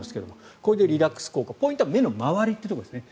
これでリラックス効果ポイントは目の周りということですね。